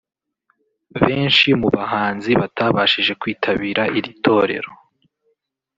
Benshi mu bahanzi batabashije kwitabira iri torero